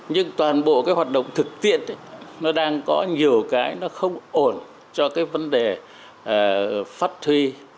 nhưng toàn bộ cái hoạt động thực tiện nó đang có nhiều cái nó không ổn cho cái vấn đề phát huy